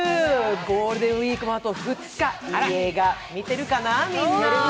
ゴールデンウイークもあと２日、映画見てるかな、みんな。